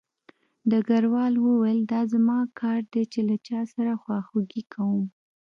ډګروال وویل دا زما کار دی چې له چا سره خواخوږي کوم